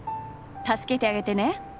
助けてあげてネ。